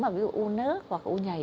mà ví dụ u nớt hoặc u nhầy